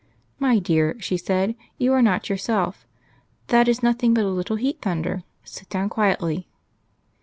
"My dear," she said, "you are not yourself. That is nothing but a little heat thunder. Sit down quietly."